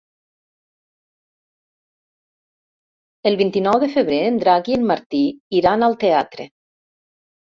El vint-i-nou de febrer en Drac i en Martí iran al teatre.